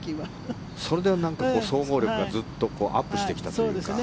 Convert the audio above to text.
それで総合力がずっとアップしてきたというか。